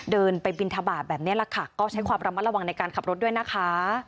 เดินไปบินทบาทแบบนี้แหละค่ะก็ใช้ความระมัดระวังในการขับรถด้วยนะคะ